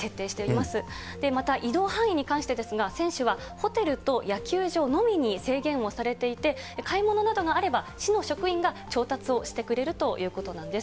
また移動範囲に関してですが、選手はホテルと野球場のみに制限をされていて、買い物などがあれば、市の職員が調達をしてくれるということなんです。